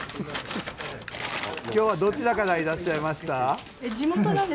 今日はどちらからいらっしゃいました？